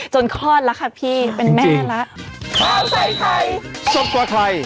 จนคลอดแล้วค่ะพี่เป็นแม่แล้ว